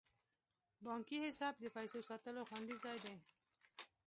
بانکي حساب د پیسو ساتلو خوندي ځای دی.